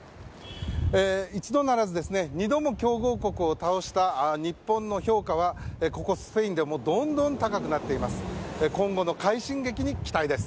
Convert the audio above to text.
一度ならず二度も強豪国を倒した日本の評価はここスペインでもどんどん高くなっています。